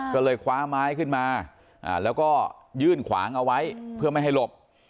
ก็เลยคว้าไม้ขึ้นมาแล้วก็ยื่นขวางเอาไว้เพื่อไม่ให้หลบ